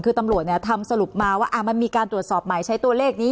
คือตำรวจทำสรุปมาว่ามันมีการตรวจสอบใหม่ใช้ตัวเลขนี้